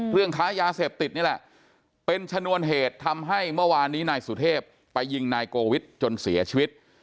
ค้ายาเสพติดนี่แหละเป็นชนวนเหตุทำให้เมื่อวานนี้นายสุเทพไปยิงนายโกวิทจนเสียชีวิต